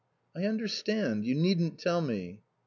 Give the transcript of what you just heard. "I understand. You needn't tell me."